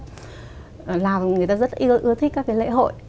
nhưng mà lào người ta rất ưa thích các cái lễ hội